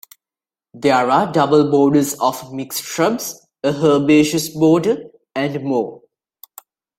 There are double borders of mixed shrubs, a herbaceous border, and more.